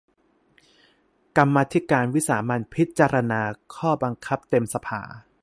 กรรมาธิการวิสามัญพิจารณาข้อบังคับเต็มสภา